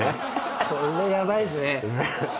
これヤバいっすね。